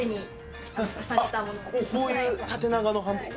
こういう縦長の？